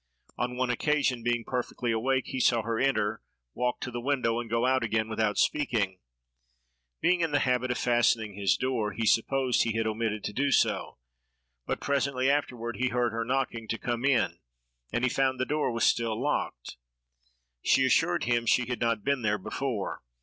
On one occasion, being perfectly awake, he saw her enter, walk to the window, and go out again without speaking. Being in the habit of fastening his door, he supposed he had omitted to do so; but presently afterward he heard her knocking to come in, and he found the door was still locked. She assured him she had not been there before.